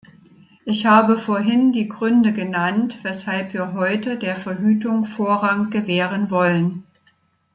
Ich habe vorhin die Gründe genannt, weshalb wir heute der Verhütung Vorrang gewähren wollen.